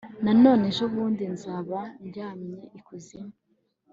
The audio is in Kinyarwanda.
nanone ejobundi nzaba ndyamye ikuzimu